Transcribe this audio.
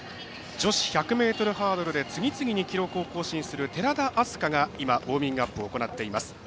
女子１００ｍハードルで次々に記録を更新する寺田明日香がウォーミングアップを行っています。